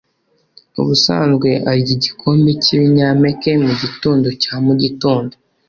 ubusanzwe arya igikombe cyibinyampeke mugitondo cya mugitondo.